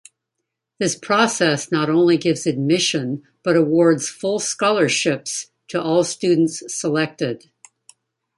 This process not only gives admission but awards full scholarships to all students selected.